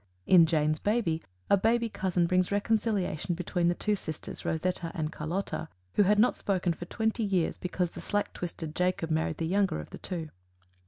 In "Jane's Baby," a baby cousin brings reconciliation between the two sisters, Rosetta and Carlotta, who had not spoken for twenty years because "the slack twisted" Jacob married the younger of the two.